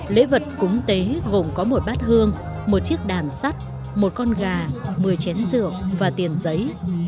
lễ vật cúng tế gồm có một bát hương một chiếc đàn sắt một con gà một mươi chén rượu và tiền giấy